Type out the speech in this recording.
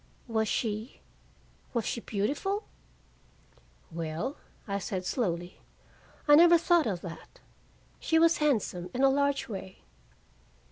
"Was she was she beautiful?" "Well," I said slowly, "I never thought of that. She was handsome, in a large way."